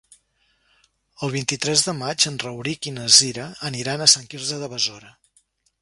El vint-i-tres de maig en Rauric i na Cira aniran a Sant Quirze de Besora.